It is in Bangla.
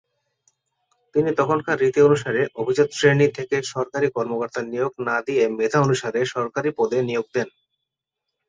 তিনি তখনকার রীতি অনুযায়ী অভিজাত শ্রেণী থেকে সরকারী কর্মকর্তা নিয়োগ না দিয়ে মেধা অনুসারে সরকারী পদে নিয়োগ দেন।